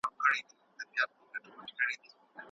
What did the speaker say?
زموږ د شپانه یې په شپېلیو کي نغمې ماتي کړې